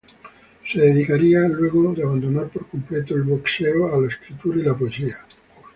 Se dedicaría luego de abandonar por completo el boxeo, a la escritura y poesía.